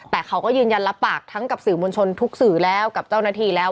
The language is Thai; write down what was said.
แต่เขาก็ยืนยันรับปากทั้งกับสื่อมวลชนทุกสื่อแล้วกับเจ้าหน้าที่แล้ว